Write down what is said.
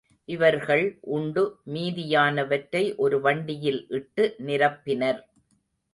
இவர்கள் உண்டு மீதியானவற்றை ஒரு வண்டியில் இட்டு நிரப்பினர்.